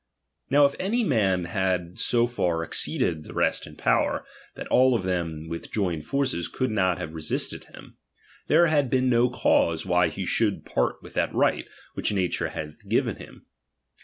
Now if any man had so far exceeded the rest in power, that all of them with joined forces could not have re sisted him, there had been no cause why he should part with that right, which nature had given him.